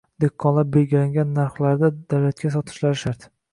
dehqonlar belgilangan narxlarda davlatga sotishlari shart.